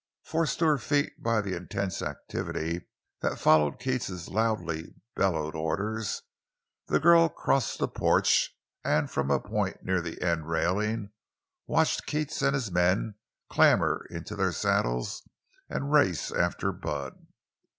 Forced to her feet by the intense activity that followed Keats's loudly bellowed orders, the girl crossed the porch, and from a point near the end railing watched Keats and his men clamber into their saddles and race after Bud.